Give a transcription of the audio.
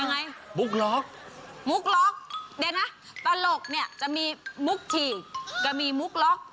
ไงมุกล็อกมุกล็อกเดี๋ยวนะตลกเนี่ยจะมีมุกฉี่ก็มีมุกล็อก